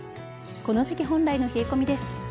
この時期本来の冷え込みです。